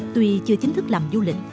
tuy chưa chính thức làm du lịch